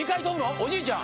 おじいちゃん